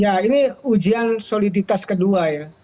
ya ini ujian soliditas kedua ya